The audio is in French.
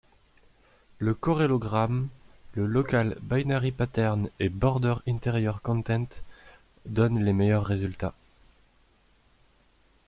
Le corellogramme, le local binary pattern et Border Interior Content donnent les meilleurs résultats.